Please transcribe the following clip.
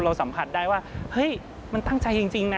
สัมผัสได้ว่าเฮ้ยมันตั้งใจจริงนะ